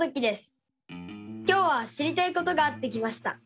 今日は知りたいことがあって来ました。